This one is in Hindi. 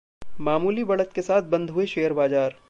मामूली बढ़त के साथ बंद हुए शेयर बाजार